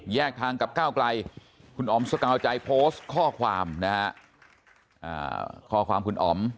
ทางกับก้าวไกลคุณอ๋อมสกาวใจโพสต์ข้อความนะฮะข้อความคุณอ๋อม